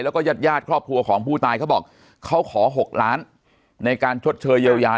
แล้วก็ญาติญาติครอบครัวของผู้ตายเขาบอกเขาขอ๖ล้านในการชดเชยเยียวยา